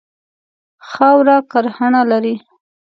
خاوره کرهڼه لري.